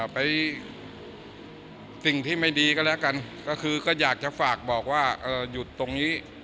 ไปสิ่งที่ไม่ดีก็แล้วกันก็คือก็อยากจะฝากบอกว่าหยุดตรงนี้